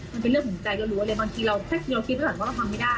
มันเป็นเรื่องของใจก็รู้เลยบางทีเราแท็กเวลาคลิปแล้วเราทำไม่ได้